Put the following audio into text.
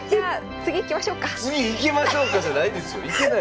「次いきましょうか」じゃないですよ。